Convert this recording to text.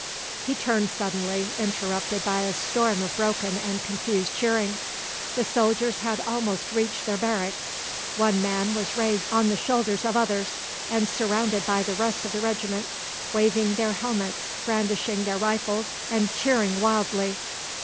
He turned suddenly, interrupted by a storm of broken and confused cheering. The soldiers had almost reached their barracks; one man was raised on the shoulders of others, and surrounded by the rest of the regiment, waving their helmets, brandishing their rifles, and cheering wildly.